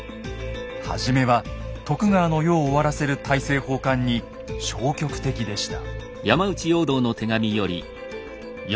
初めは徳川の世を終わらせる大政奉還に消極的でした。